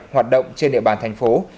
hoạt động trên địa bàn thành phố